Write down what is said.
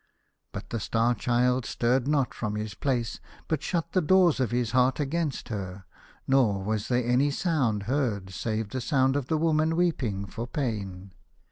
But the Star Child stirred not from his place, but shut the doors ol his heart against her, nor was there any sound heard save the sound of the woman weeping for pain.